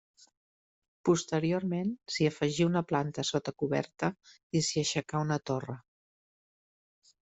Posteriorment, s'hi afegí una planta sota coberta i s'hi aixecà una torre.